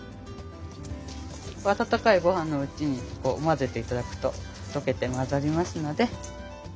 温かいごはんのうちに混ぜて頂くと溶けて混ざりますので。